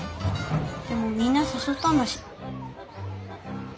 でもみんなさそったんだし。